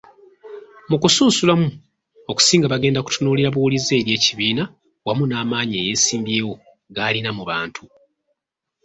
Mu kusunsulamu okusinga bagenda kutunuulira buwulize eri ekibiina wamu n'amaanyi eyeesimbyewo galina mu bantu.